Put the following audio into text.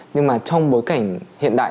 nhưng mà trong bối cảnh hiện đại